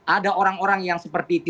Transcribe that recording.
ada orang orang yang seperti